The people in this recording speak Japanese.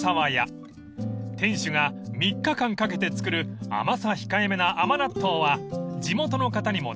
［店主が３日間かけて作る甘さ控えめな甘納豆は地元の方にも大人気！］